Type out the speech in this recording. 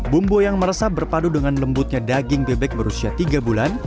bumbu yang meresap berpadu dengan lembutnya daging bebek berusia tiga bulan